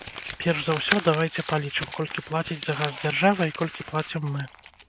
Перш за ўсё, давайце палічым, колькі плаціць за газ дзяржава, і колькі плацім мы.